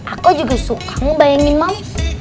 aku juga suka ngebayangin mams